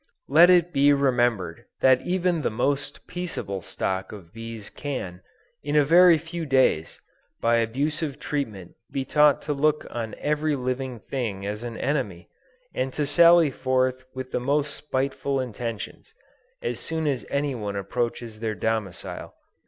Let it be remembered that even the most peaceable stock of bees can, in a very few days, by abusive treatment be taught to look on every living thing as an enemy, and to sally forth with the most spiteful intentions, as soon as any one approaches their domicile.